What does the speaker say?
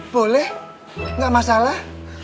boleh gak masalah